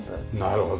なるほど。